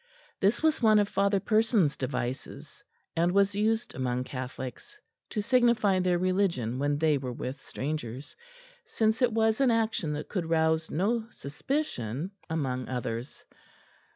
This was one of Father Persons' devices, and was used among Catholics to signify their religion when they were with strangers, since it was an action that could rouse no suspicion among others.